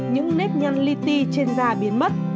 những nét nhăn li ti trên da biến mất